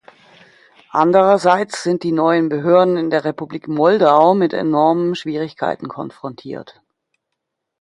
Andererseits sind die neuen Behörden in der Republik Moldau mit enormen Schwierigkeiten konfrontiert.